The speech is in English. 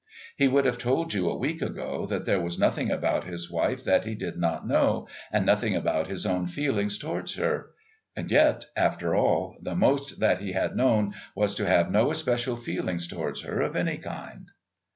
He would have told you a week ago that there was nothing about his wife that he did not know and nothing about his own feelings towards her and yet, after all, the most that he had known was to have no especial feelings towards her of any kind.